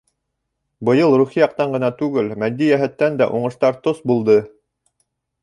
Быйыл рухи яҡтан ғына түгел, матди йәһәттән дә уңыштар тос булды.